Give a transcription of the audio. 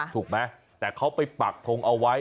ถูกไหมแต่เขาไปปักทงเอาไว้